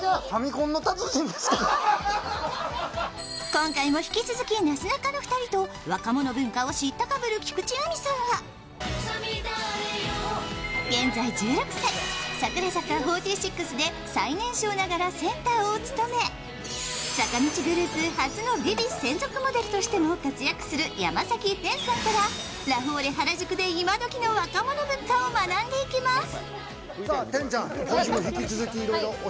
今回も引き続きなすなかの２人と若者文化をしったかぶる菊地亜美さんが、現在１６歳、櫻坂４６で最年少ながらセンターを務め、坂道グループ初の「ＶｉＶｉ」専属モデルとしても活躍する山崎天さんからラフォーレ原宿でイマドキの若者文化を学んでいきます。